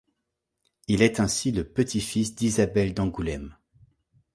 Il est ainsi le petit-fils d'Isabelle d'Angoulême.